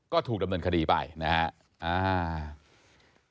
ก็ถูกดำเนินคดีไปนะครับ